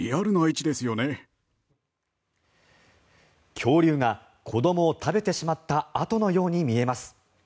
恐竜が子どもを食べてしまった跡のように見えます。